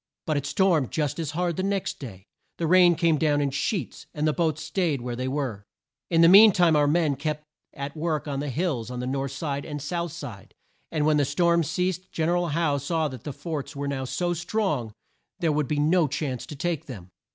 But it stormed just as hard the next day; the rain came down in sheets; and the boats staid where they were. In the mean time our men kept at work on the hills on the north side and south side, and when the storm ceased Gen er al Howe saw that the forts were now so strong there would be no chance to take them.